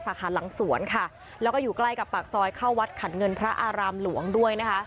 สาขาหลังสวนค่ะแล้วก็อยู่ใกล้กับปากซอยเข้าวัดขันเงินพระอารามหลวงด้วยนะคะ